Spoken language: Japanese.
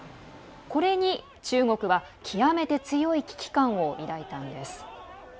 これに、中国は極めて強い危機感を抱いたんです。